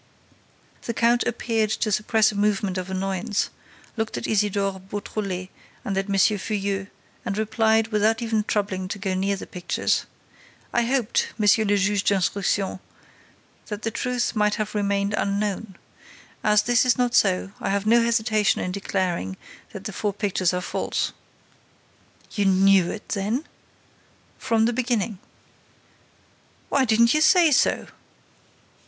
The count appeared to suppress a movement of annoyance, looked at Isidore Beautrelet and at M. Filleul and replied, without even troubling to go near the pictures: "I hoped, Monsieur le Juge d'Instruction, that the truth might have remained unknown. As this is not so, I have no hesitation in declaring that the four pictures are false." "You knew it, then?" "From the beginning." "Why didn't you say so?"